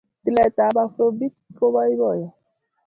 tilet ap afrobeat kopoipoiyo